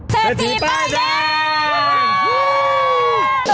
เศรษฐีป้ายแดง